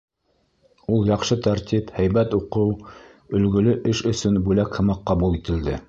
Ул яҡшы тәртип, һәйбәт уҡыу, өлгөлө эш өсөн бүләк һымаҡ ҡабул ителде.